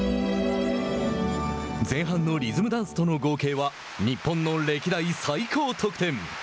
前半のリズムダンスとの合計は日本の歴代最高得点。